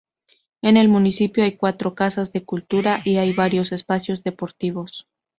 En el municipio hay cuatro Casas de Cultura y hay varios espacios deportivos.